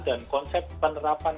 dan konsep penerapan